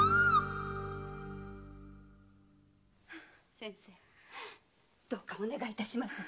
先生どうかお願いいたします。